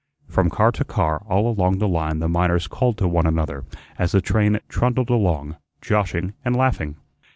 From car to car all along the line the miners called to one another as the train trundled along, joshing and laughing.